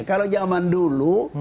kalau zaman dulu